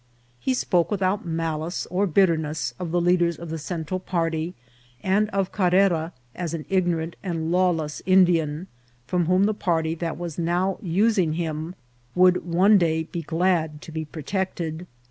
He spoke without malice or bitterness of the leaders of the Central party, and of Carrera as an ignorant and lawless Indian, from whom the party that was now using him would one day be glad to be protected.